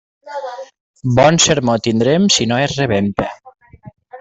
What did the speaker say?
Bon sermó tindrem si no es rebenta.